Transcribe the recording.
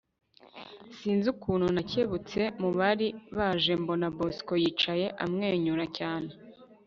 sinzi ukuntu nacyebutse mubari baje mbona bosco yicaye amwenyura cyane